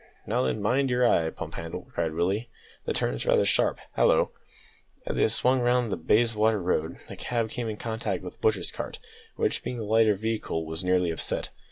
Now then, mind your eye, pump handle," cried Willie; "the turn's rather sharp hallo!" As they swung round into the Bayswater Road the cab came in contact with a butcher's cart, which, being the lighter vehicle, was nearly upset.